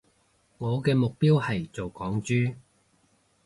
我嘅目標係做港豬